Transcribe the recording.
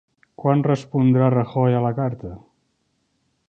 Quan respondrà Rajoy a la carta?